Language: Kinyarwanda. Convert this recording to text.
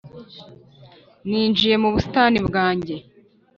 Ninjiye mu busitani bwanjye,